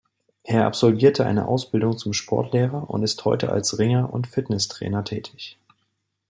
Er absolvierte eine Ausbildung zum Sportlehrer und ist heute als Ringer- und Fitnesstrainer tätig.